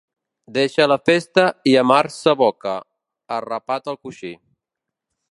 Deixa la festa i a mars s'aboca, arrapat al coixí.